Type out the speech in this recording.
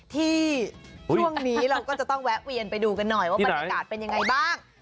ที่ช่วงนี้เราก็จะต้องแวะเวียนไปดูกันหน่อยว่าบรรยากาศเป็นยังไงบ้าง